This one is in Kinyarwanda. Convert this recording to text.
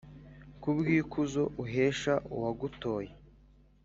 kubw’ikuzo uhesha uwagutoye